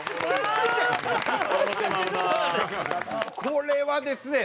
これはですね